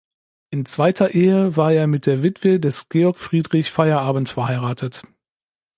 In zweiter Ehe war er mit der Witwe des Georg Friedrich Feyerabend verheiratet.